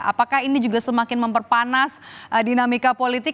apakah ini juga semakin memperpanas dinamika politik